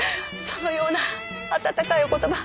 そのような温かいお言葉